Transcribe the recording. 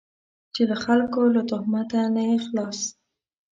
چې له خلکو له تهمته نه یې خلاص.